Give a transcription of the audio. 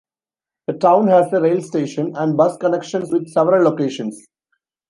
The town has a rail station, and bus connections with several locations.